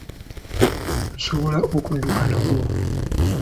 Nsobola okudduka nagwo.